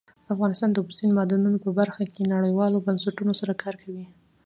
افغانستان د اوبزین معدنونه په برخه کې نړیوالو بنسټونو سره کار کوي.